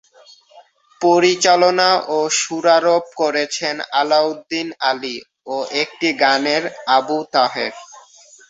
পরিচালনা ও সুরারোপ করেছেন আলাউদ্দিন আলী ও একটি গানের "আবু তাহের"।